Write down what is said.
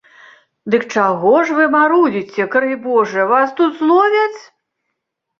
Дык чаго ж вы марудзіце, крый божа вас тут зловяць?